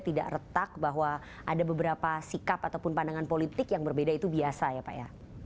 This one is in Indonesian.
tidak retak bahwa ada beberapa sikap ataupun pandangan politik yang berbeda itu biasa ya pak ya